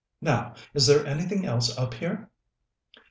Now, is there anything else up here?"